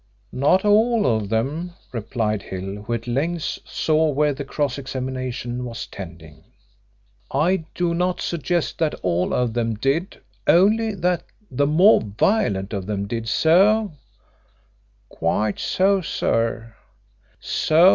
"Not all of them," replied Hill, who at length saw where the cross examination was tending. "I do not suggest that all of them did only that the more violent of them did so." "Quite so, sir."